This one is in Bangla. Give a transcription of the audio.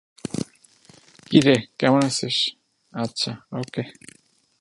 তখন রুপা তাঁকে জানান যে ছোঁয়া পরিবহনে ময়মনসিংহের উদ্দেশে রওনা হয়েছেন তিনি।